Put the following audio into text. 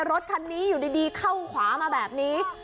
รถคันนี้อยู่ดีเข้าขวามาแบบนี้